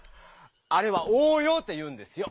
あれはおう用って言うんですよ。